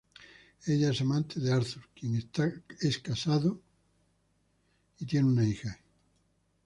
Ella es amante de Arthur, quien este es casado y tiene una hija.